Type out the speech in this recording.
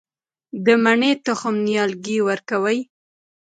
د مڼې تخم نیالګی ورکوي؟